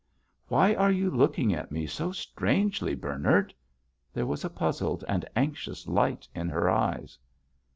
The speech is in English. "Why are you looking at me so strangely, Bernard?" There was a puzzled and anxious light in her eyes.